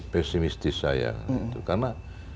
pesimistis saya karena